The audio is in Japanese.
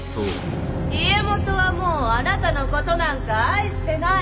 家元はもうあなたのことなんか愛してない